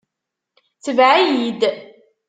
Tbeɛ-iyi-d.